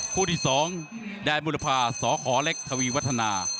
คู่ที่สองแดนมุรภาสอขอเล็กทวีวัฒนา